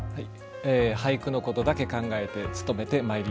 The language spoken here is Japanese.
俳句のことだけ考えて務めてまいります。